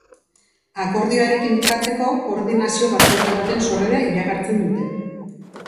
Akordioarekin bukatzeko Koordinazio Batzorde baten sorrera iragartzen dute.